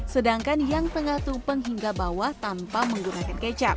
sedangkan yang tengah tumpeng hingga atas tumpeng menggunakan kecap